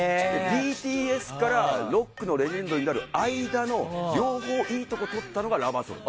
ＢＴＳからロックのレジェンドになる間の両方いいところを取ったのが「ＲｕｂｂｅｒＳｏｕｌ」。